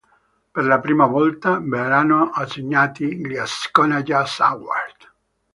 Per la prima volta verranno assegnati gli Ascona Jazz Award.